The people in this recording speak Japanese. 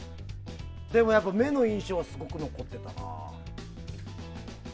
でも目の印象はすごく残ってたな。